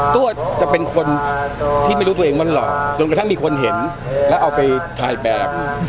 ตัวจะเป็นคนที่ไม่รู้ตัวเองว่าหลอกจนกระทั่งมีคนเห็นแล้วเอาไปถ่ายแบบ